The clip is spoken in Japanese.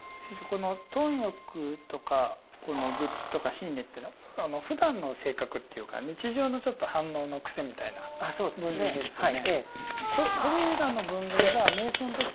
この貪欲とか愚痴とか瞋恚というのはふだんの性格っていうか日常の反応の癖みたいな分類ですよね。